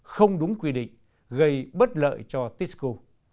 không đúng quy định gây bất lợi cho tisco